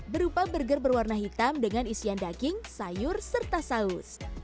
berupa burger berwarna hitam dengan isian daging sayur serta saus